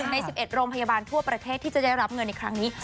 ใน๑๑โรงพยาบาลทั่วประเทศที่จะได้รับเงินในครั้งนี้